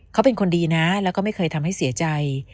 เขาเป็นคนดีนะแล้วก็ไม่เคยทำให้เสียใจ